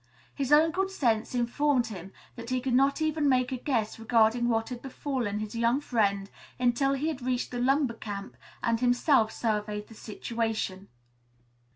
His own good sense informed him that he could not even make a guess regarding what had befallen his young friend until he had reached the lumber camp and himself surveyed the situation.